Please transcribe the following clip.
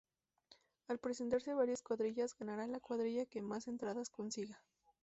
Al presentarse varias cuadrillas ganará la cuadrilla que más entradas consiga.